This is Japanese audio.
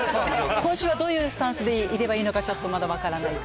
今週はどういうスタンスでいればいいのか、まだちょっと分からない。